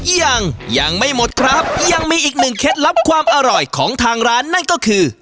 ยังยังไม่หมดครับยังมีอีกหนึ่งเคล็ดลับความอร่อยของทางร้านนั่นก็คือ